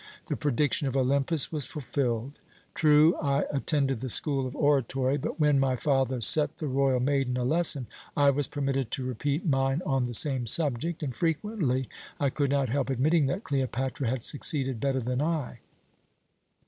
The prediction of Olympus was fulfilled. True, I attended the school of oratory, but when my father set the royal maiden a lesson, I was permitted to repeat mine on the same subject, and frequently I could not help admitting that Cleopatra had succeeded better than I.